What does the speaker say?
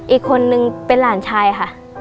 อีกคนนึงเป็นหลานชายค่ะ